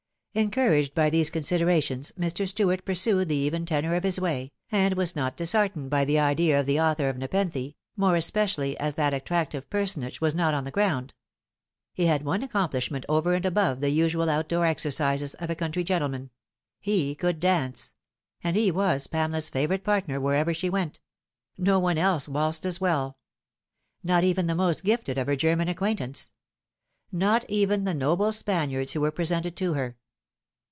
Encouraged by these considerations, Mr. Stuart pursued the even tenor of his way, and was not disheartened by the idea of the author of. Nepenthe, more especially as that attractive personage was not on the ground. He had one accomplishment over and above the usual outdoor exercises of a country gentleman. He could dance ; and he was Pamela's favourite partner wherever she went. No one else waltzed as well. Not even the most gifted of her German acquaintance ; not even the noble Spaniards who were presented to her.